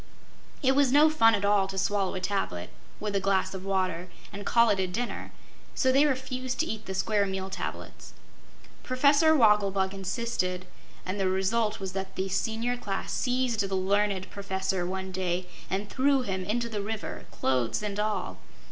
It was no fun at all to swallow a tablet, with a glass of water, and call it a dinner; so they refused to eat the Square Meal Tablets. Professor Wogglebug insisted, and the result was that the Senior Class seized the learned Professor one day and threw him into the river clothes and all.